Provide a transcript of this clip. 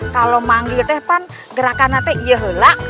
kalau memanggil gerakan nanti iya lah